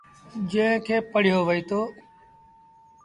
جݩهݩ کي پڙهيو وهيٚتو۔